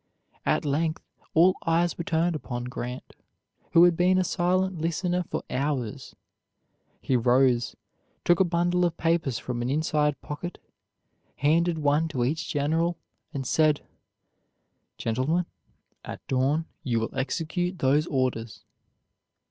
At length all eyes were turned upon Grant, who had been a silent listener for hours. He rose, took a bundle of papers from an inside pocket, handed one to each general, and said: "Gentlemen, at dawn you will execute those orders."